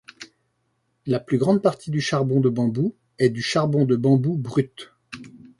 La plus grande partie du charbon de bambou est du charbon de bambou brut.